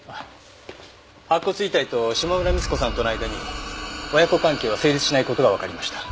白骨遺体と島村光子さんとの間に親子関係は成立しない事がわかりました。